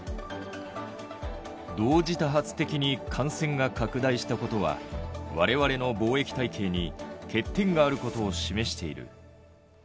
同時多発的に感染が拡大したことは、われわれの防疫体系に欠点があることを示している。